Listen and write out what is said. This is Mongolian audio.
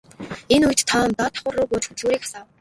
Энэ үед Том доод давхарруу бууж хөдөлгүүрийг асаав.